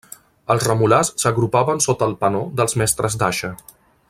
Els remolars s'agrupaven sota el penó dels mestres d'aixa.